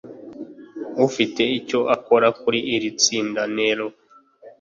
Ufite icyo ukora kuri iri tsinda? (Nero)